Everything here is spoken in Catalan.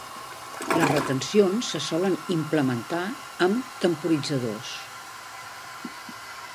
Les retencions se solen implementar amb temporitzadors.